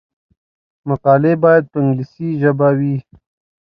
مقالې باید په انګلیسي ژبه وي.